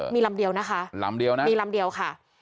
มีลำเดียวนะคะมีลำเดียวค่ะ